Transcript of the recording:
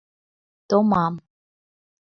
Томам...